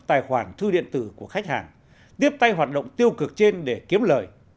tài khoản thư điện tử của khách hàng tiếp tay hoạt động tiêu cực trên để kiếm lời